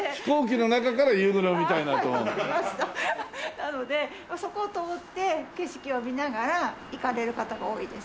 なのでそこを通って景色を見ながら行かれる方が多いです。